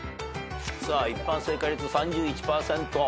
一般正解率３１％。